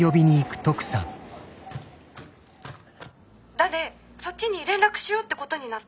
だでそっちに連絡しようってことになったの。